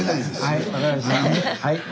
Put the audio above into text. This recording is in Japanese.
はい。